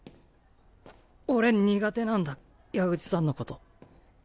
俺苦手なんだ矢口さんのこと。